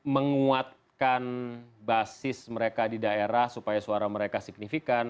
menguatkan basis mereka di daerah supaya suara mereka signifikan